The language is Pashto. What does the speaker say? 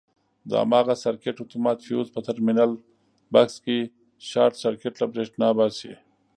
د هماغه سرکټ اتومات فیوز په ټرمینل بکس کې شارټ سرکټ له برېښنا باسي.